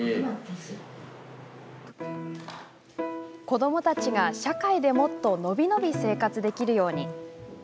子どもたちが社会でもっと伸び伸び生活できるように。